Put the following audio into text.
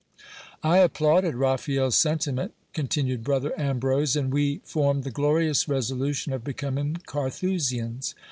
I applauded Raphael's sentiment, continued brother Ambrose ; and we formed the glorious resolution of becoming Carthusians..